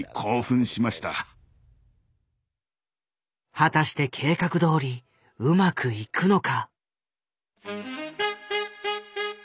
果たして計画どおりうまくいくのか？